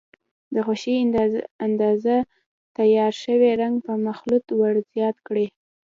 د خوښې اندازه تیار شوی رنګ په مخلوط ور زیات کړئ.